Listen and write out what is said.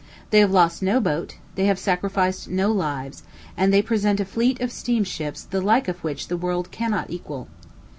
They have lost no boat, they have sacrificed no lives, and they present a fleet of steamships the like of which the world cannot equal.